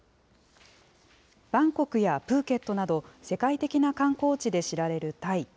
バンコクやプーケットなど、世界的な観光地で知られるタイ。